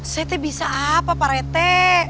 saya tuh bisa apa pak rete